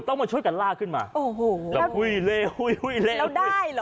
ต้องมาช่วยกันล่าขึ้นมาโอ้โหแล้วได้เหรอ